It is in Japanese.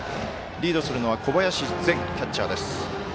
リードするのは小林然キャッチャーです。